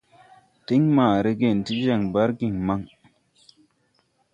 Tiŋ ma regen ti jɛŋ bargiŋ maŋ.